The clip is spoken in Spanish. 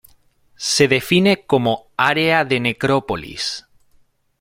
Se define como área de necrópolis.